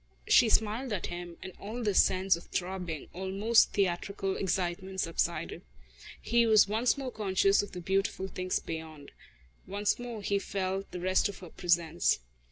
She smiled at him and all this sense of throbbing, almost theatrical excitement subsided. He was once more conscious of the beautiful things beyond. Once more he felt the rest of her presence.